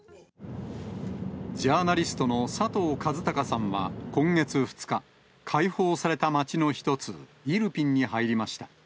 ジャーナリストの佐藤和孝さんは今月２日、解放された街の一つ、イルピンに入りました。